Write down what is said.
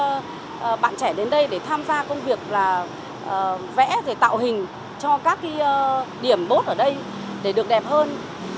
chúng tôi đã đến đây để tham gia công việc là vẽ tạo hình cho các điểm bốt ở đây để được đẹp hơn